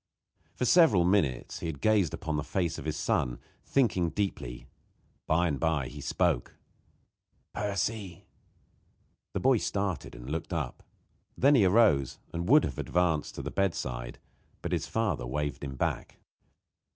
For several minutes he had gazed upon the face of his son, thinking deeply. By and by he spoke: "Percy!" The boy started and looked up. Then he arose and would have advanced to the bedside, but his father waved him back.